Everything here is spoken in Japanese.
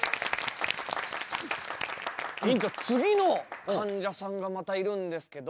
院長次のかんじゃさんがまたいるんですけど。